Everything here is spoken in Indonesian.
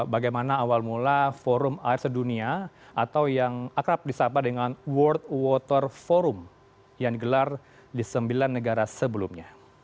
bagaimana awal mula forum air sedunia atau yang akrab disapa dengan world water forum yang digelar di sembilan negara sebelumnya